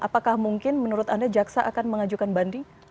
apakah mungkin menurut anda jaksa akan mengajukan banding